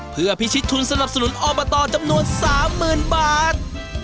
เพื่อพิชิตทุนสนับสนุนอบตจำนวน๓๐๐๐บาท